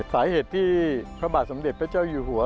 สาเหตุที่พระบาทสมเด็จพระเจ้าอยู่หัว